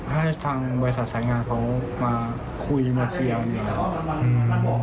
ให้ทางบริษัทสายงานเขามาคุยมาเคียง